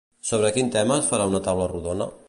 Sobre quin tema es farà una taula rodona?